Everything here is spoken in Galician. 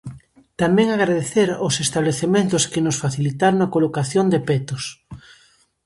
Tamén agradecer aos establecementos que nos facilitaron a colocación de petos.